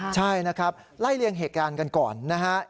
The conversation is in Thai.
ใช่นะครับไล่เลี่ยงเหตุการณ์กันก่อนนะฮะ